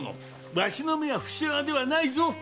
わしの目はふし穴ではないぞ。